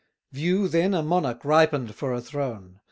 View, then, a monarch ripen'd for a throne!